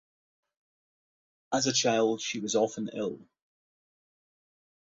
As a child, she was often ill.